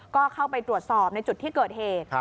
ก็เข้าไปตรวจสอบในจุดที่เกิดเหตุ